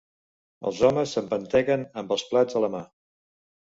Els homes s'empentegen, amb els plats a la mà